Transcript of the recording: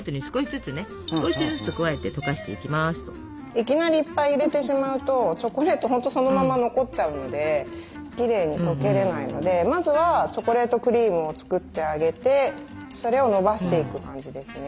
いきなりいっぱい入れてしまうとチョコレート本当そのまま残っちゃうのできれいにとけれないのでまずはチョコレートクリームを作ってあげてそれをのばしていく感じですね。